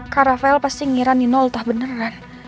kak rafael pasti ngira nino utah beneran